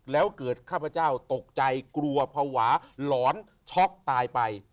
แล้วเกิดข้าพเจ้าตกใจกลัวภาวะหลอนช็อกตายไป